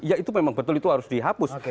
ya itu memang betul itu harus dihapus